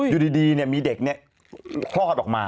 อยู่ดีมีเด็กคลอดออกมา